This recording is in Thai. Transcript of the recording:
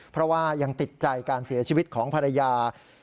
เพราะว่ายังติดใจการเสียชีวิตของภรรยา